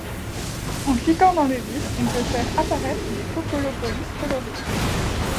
En cliquant dans le vide, on peut faire apparaître des Popolopoïs colorés.